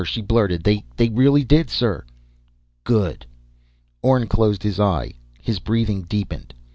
she blurted. "They really did, sir!" "Good!" Orne closed his eye. His breathing deepened.